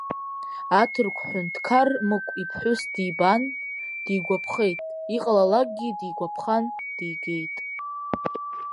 Аҭырқә ҳәынҭқар Мыҟә иԥҳәыс дибан, дигәаԥхеит, иҟалалакгьы дигәаԥхан, дигеит.